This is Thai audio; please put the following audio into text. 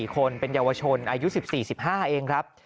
๔คนเป็นเยาวชนอายุ๑๔๑๕เองครับ